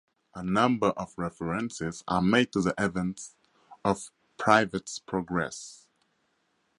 A number of references are made to the events of "Private's Progress".